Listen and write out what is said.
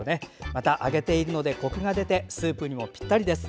また、揚げているのでコクが出てスープにもピッタリです。